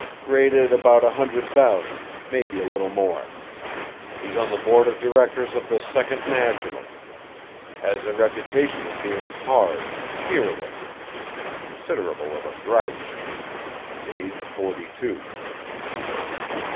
Rated about a hundred thousand maybe a little more. He's on the Board of Directors of the Second National. Has the reputation of being hard, fearless and considerable of a grouch. Age forty two.